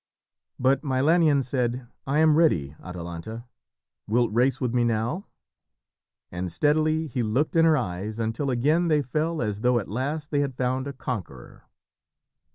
But Milanion said, "I am ready, Atalanta. Wilt race with me now?" And steadily he looked in her eyes until again they fell as though at last they had found a conqueror.